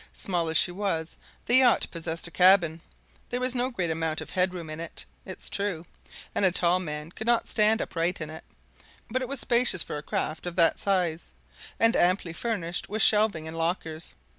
Small as she was, the yacht possessed a cabin there was no great amount of head room in it, it's true, and a tall man could not stand upright in it, but it was spacious for a craft of that size, and amply furnished with shelving and lockers.